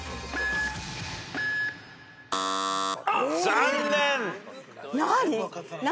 残念！